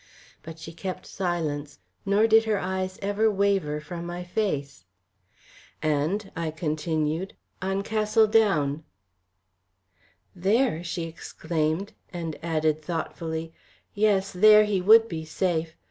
But she kept silence, nor did her eyes ever waver from my face. "And," I continued, "on Castle Down." "There!" she exclaimed, and added, thoughtfully, "Yes, there he would be safe.